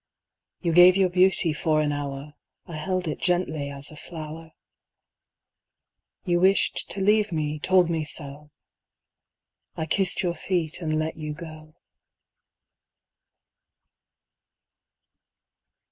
You gave your beauty for an hour, I held it gently as a flower. You wished to leave me, told me so, I kissed your feet and let you go.